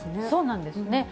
そうなんですよね。